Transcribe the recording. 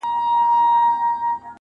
سر مي جار له یاره ښه خو ټیټ دي نه وي،